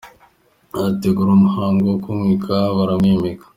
bategura imihango yo kumwimika baramwimika;